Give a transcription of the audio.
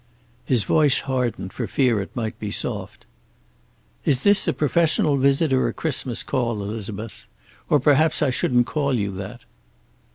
His voice hardened, for fear it might be soft. "Is this a professional visit, or a Christmas call, Elizabeth? Or perhaps I shouldn't call you that."